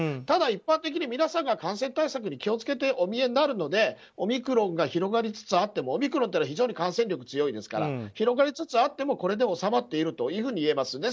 ただ、一般的に皆さんが感染対策に気を付けてお見えになるのでオミクロンが広がりつつあってもオミクロンというのは非常に感染力が強いですから広がりつつあってもこれで収まっているというふうに言えます。